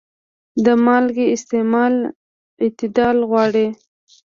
د مالګې استعمال اعتدال غواړي.